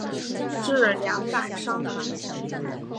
治两感伤寒。